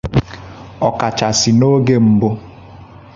ọkachasị n'oge mbụ.